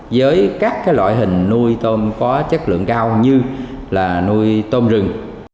với các loại hình nuôi tôm có chất lượng cao như là nuôi tôm rừng